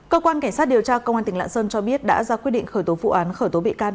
cơ quan cảnh sát điều tra công an tp cnh cho biết đã ra quyết định khởi tố vụ án khởi tố bị can